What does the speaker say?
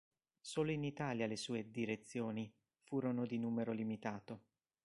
Solo in Italia le sue "direzioni" furono di numero limitato.